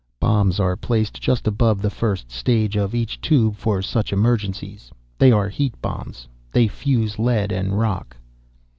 "Bombs are placed just above the first stage of each Tube for such emergencies. They are heat bombs. They fuse lead and rock."